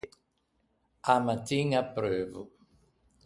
A mattin apreuvo.